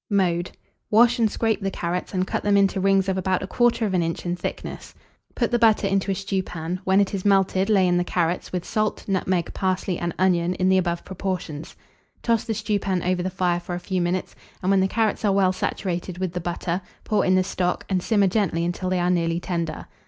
Mode. Wash and scrape the carrots, and cut them into rings of about 1/4 inch in thickness. Put the butter into a stewpan; when it is melted, lay in the carrots, with salt, nutmeg, parsley, and onion in the above proportions. Toss the stewpan over the fire for a few minutes, and when the carrots are well saturated with the butter, pour in the stock, and simmer gently until they are nearly tender.